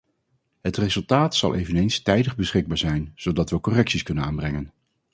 Het resultaat zal eveneens tijdig beschikbaar zijn, zodat we correcties kunnen aanbrengen.